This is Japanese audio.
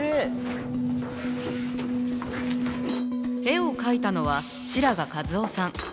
絵を描いたのは白髪一雄さん。